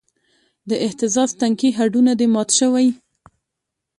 د اهتزاز تنکي هډونه دې مات شوی